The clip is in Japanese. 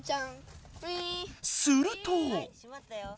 すると。